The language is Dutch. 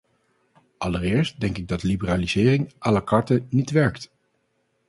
Allereerst denk ik dat liberalisering à la carte niet werkt.